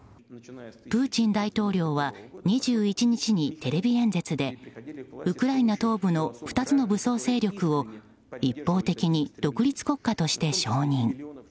プーチン大統領は２１日にテレビ演説でウクライナ東部の２つの武装勢力を一方的に独立国家として承認。